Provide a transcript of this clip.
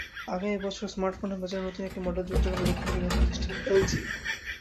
আগামী বছর স্মার্টফোনের বাজারে নতুন একটি মডেল যুক্ত করবে দক্ষিণ কোরিয়ার প্রতিষ্ঠান এলজি।